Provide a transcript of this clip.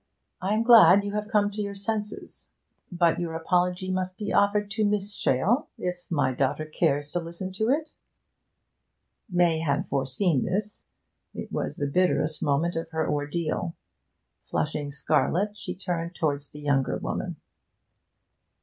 'I am glad you have come to your senses. But your apology must be offered to Miss Shale if my daughter cares to listen to it.' May had foreseen this. It was the bitterest moment of her ordeal. Flushing scarlet, she turned towards the younger woman.